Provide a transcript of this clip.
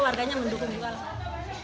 warganya mendukung juga lah